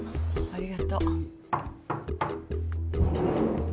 ありがとう。